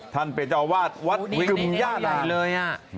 ท่านเปรตเจ้าอาวาสวัดเวกุมญาติราโอ้โฮนี่ใหญ่เลย